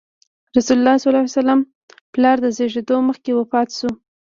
رسول الله ﷺ پلار د زېږېدو مخکې وفات شو.